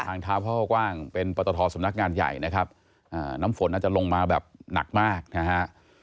ทางเท้าพ่อกว้างเป็นปตทสำนักงานใหญ่นะครับน้ำฝนอาจจะลงมาแบบหนักมากนะฮะ